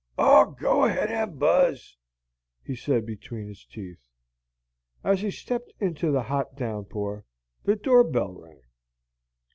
"Aw, go ahead and buzz!" he said between his teeth. As he stepped into the hot downpour, the door bell rang.